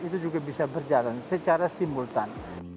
itu juga bisa berjalan secara simultan